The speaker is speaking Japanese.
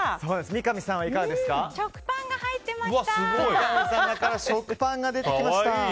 三上さんからは食パンが出てきました。